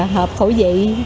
hợp khẩu vị